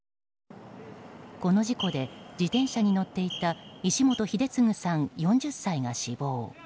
この事故で、自転車に乗っていた石元英嗣さん、４０歳が死亡。